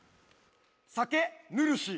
酒ぬるし。